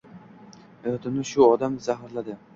Hayotimni shu odam zaharladi